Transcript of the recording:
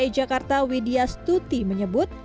dki jakarta widya stuti menyebut